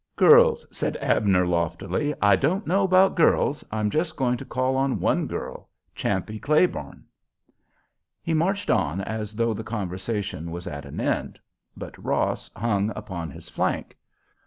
"Girls," said Abner, loftily; "I don't know about girls—I'm just going to call on one girl—Champe Claiborne." He marched on as though the conversation was at an end; but Ross hung upon his flank.